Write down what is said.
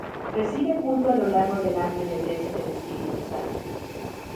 Recibe culto a lo largo del año en la Iglesia del Espíritu Santo.